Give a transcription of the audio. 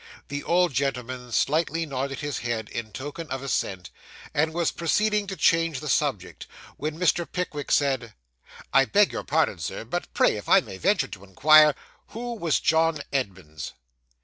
The old gentleman slightly nodded his head in token of assent, and was proceeding to change the subject, when Mr. Pickwick said 'I beg your pardon, sir, but pray, if I may venture to inquire, who was John Edmunds?